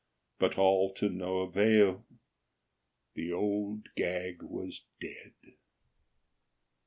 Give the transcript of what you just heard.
But all to no avail. The Old Gag was dead.